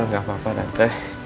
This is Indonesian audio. gak apa apa tante